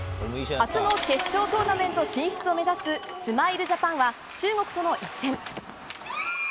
初の決勝トーナメント進出を目指すスマイルジャパンは中国との一戦。